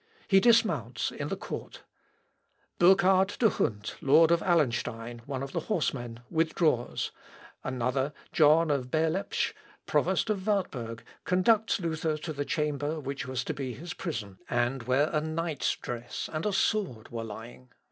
He dismounts in the court. Burkard de Hund, Lord of Allenstein, one of the horsemen, withdraws; another, John of Berlepsch, Provost of Wartburg, conducts Luther to the chamber which was to be his prison, and where a knight's dress and a sword were lying.